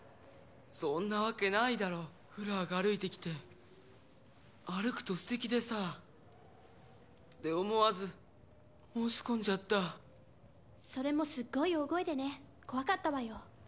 そんなわけないだろフラーが歩いてきて歩くと素敵でさで思わず申し込んじゃったそれもすっごい大声でね怖かったわよ